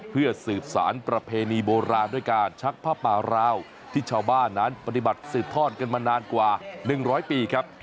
เพื่อสืบสารประเพณีโบราณด้วยการชักผ้าป่าราวที่ชาวบ้านนั้นปฏิบัติสืบทอดกันมานานกว่า๑๐๐ปีครับ